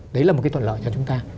đấy là một cái thuận lợi nhà chúng ta